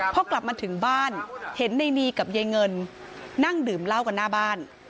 พอกลับมาถึงบ้านเห็นในนีกับยายเงินนั่งดื่มเหล้ากันหน้าบ้าน